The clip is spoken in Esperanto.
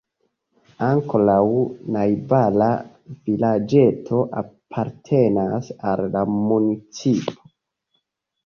Ankoraŭ najbara vilaĝeto apartenas al la municipo.